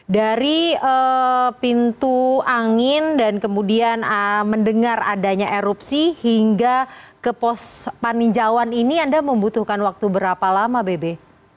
dari pintu angin dan kemudian mendengar adanya erupsi hingga ke pos paninjauan ini anda membutuhkan waktu berapa lama bebe